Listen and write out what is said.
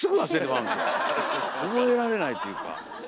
覚えられないというか。